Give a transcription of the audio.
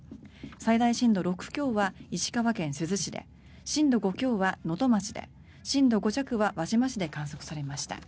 最大震度６強は石川県珠洲市で震度５強は能登町で震度５弱は輪島市で観測されました。